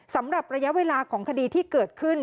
สำหรับระยะเวลาของคดีที่เกิดขึ้น